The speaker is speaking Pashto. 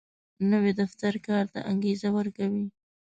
نوی دفتر کار ته انګېزه ورکوي